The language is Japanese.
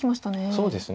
そうですね。